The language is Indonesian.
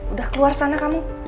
udah keluar sana kamu